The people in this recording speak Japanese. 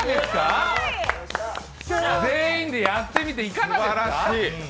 全員でやってみて、いかがですか？